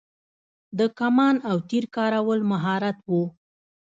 د کمان او تیر کارول مهارت و